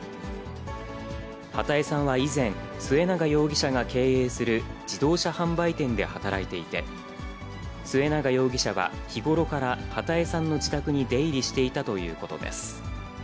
波多江さんは以前、末永容疑者が経営する自動車販売店で働いていて、末永容疑者は日頃から波多江さんの自宅に出入りしていたということです。